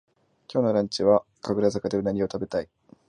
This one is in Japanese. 今日のランチは神楽坂でうなぎをたべたい